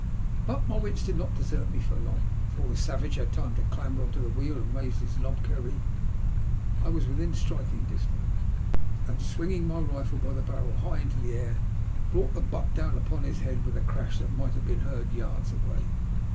But my wits did not desert me for long. Before the savage had time to clamber on to the wheel and raise his knob kerrie, I was within striking distance, and, swinging my rifle by the barrel high into the air, brought the butt down upon his head with a crash that might have been heard .yartls away.